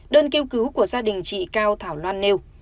đơn kêu cứu của gia đình chị cao thảo loan nêu